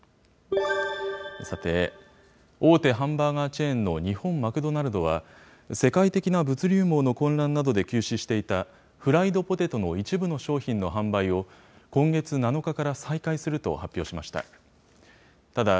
さて、大手ハンバーガーチェーンの日本マクドナルドは、世界的な物流網の混乱などで休止していた、フライドポテトの一部の商品の販売を、今月７日から再開すると発表しました。